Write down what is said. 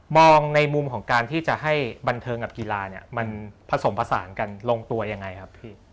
ในมุมของการที่จะให้บันเทิงกับกีฬาเนี่ยมันผสมผสานกันลงตัวยังไงครับพี่